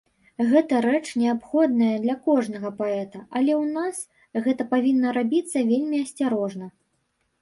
Гэта рэч неабходная для кожнага паэта, але ў нас гэта павінна рабіцца вельмі асцярожна.